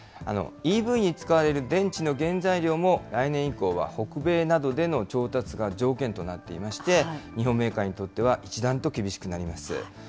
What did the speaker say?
ＥＶに使われる電池の原材料も、来年以降は北米などでの調達が条件となっていまして、日本メーカーにとっては一段と厳しくなります。